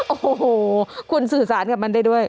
โอ้โหคุณสื่อสารกับมันได้ด้วย